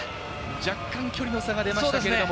若干、距離の差が出ましたけれども。